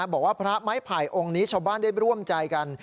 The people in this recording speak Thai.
บอกว่าพระไม้ไผ่องค์นี้ชาวบ้านได้ร่วมใจกัน